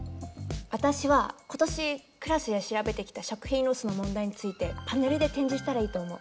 私は今年クラスで調べてきた食品ロスの問題についてパネルで展示したらいいと思う。